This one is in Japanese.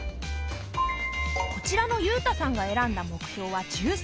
こちらのゆうたさんが選んだ目標は１３。